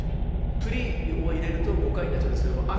プリを入れると５回になっちゃうんですけど朝。